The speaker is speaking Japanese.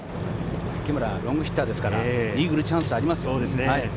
池村はロングヒッターですから、イーグルチャンスありますよ。